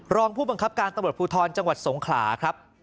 รองผู้บังคับการตำรวจภูทรจังหวัดสงขลาครับ